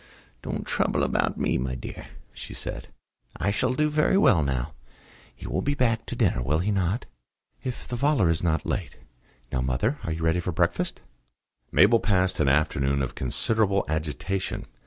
"Don't trouble about me, my dear," she said. "I shall do very well now. He will be back to dinner, will he not?" "If the volor is not late. Now, mother, are you ready for breakfast?" Mabel passed an afternoon of considerable agitation.